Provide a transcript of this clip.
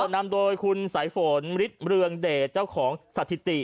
นำโดยคุณสายฝนฤทธิเรืองเดชเจ้าของสถิติ